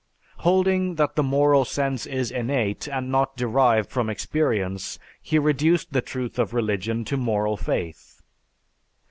Holding that the moral sense is innate and not derived from experience, he reduced the truth of religion to moral faith.